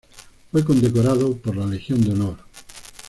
Fue condecorado por la Legión de Honor.